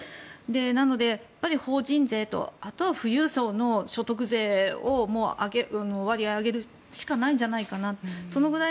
なので、やっぱり法人税とあとは富裕層の所得税の割合を上げるしかないんじゃないかなと。